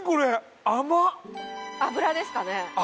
脂ですかね。